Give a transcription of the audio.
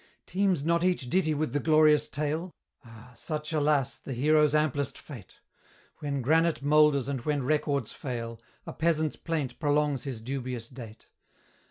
Teems not each ditty with the glorious tale? Ah! such, alas, the hero's amplest fate! When granite moulders and when records fail, A peasant's plaint prolongs his dubious date.